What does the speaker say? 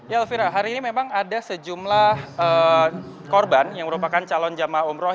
ya elvira hari ini memang ada sejumlah korban yang merupakan calon jamaah umroh